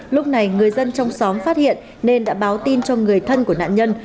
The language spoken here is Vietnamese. lúc này người dân trong xóm phát hiện nên đã báo tin cho người thân của nạn nhân